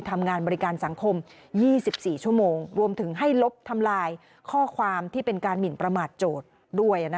ทำงานบริการสังคม๒๔ชั่วโมงรวมถึงให้ลบทำลายข้อความที่เป็นการหมินประมาทโจทย์ด้วย